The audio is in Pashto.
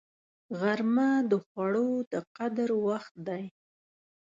غرمه د خوړو د قدر وخت دی